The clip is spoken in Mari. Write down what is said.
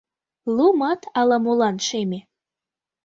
Лумат ала-молан шеме.